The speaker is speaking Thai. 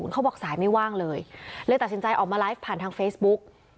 เขาบอกสายไม่ว่างเลยเลยตัดสินใจออกมาไลฟ์ผ่านทางเฟซบุ๊ก